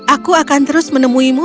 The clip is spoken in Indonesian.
aku akan terus menemuimu